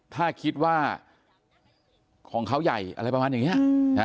ถ้าคิดว่าของเขาใหญ่อะไรประมาณอย่างนี้